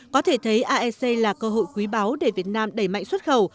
có thể thấy asean là cơ hội quý báo để việt nam đẩy mạnh xuất khẩu